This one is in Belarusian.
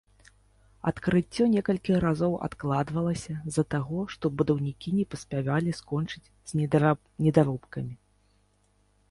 Адкрыццё некалькі разоў адкладалася з-за таго, што будаўнікі не паспявалі скончыць з недаробкамі.